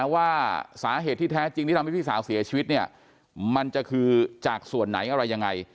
ว่าสาเหตุที่แท้จริงที่ทำให้พี่สาวเสียชีวิตเนี่ยมันจะคือจากส่วนไหนอะไรยังไง